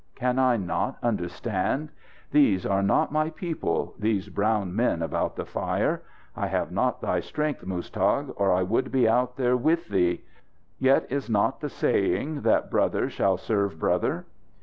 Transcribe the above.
Can I not understand? These are not my people these brown men about the fire. I have not thy strength, Muztagh, or I would be out there with thee! Yet is not the saying that brother shall serve brother?"